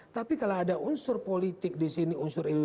tapi kalau ada unsur politik di sini unsur indonesia